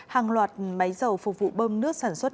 hàng loạt máy dầu phục vụ bơm nước sản xuất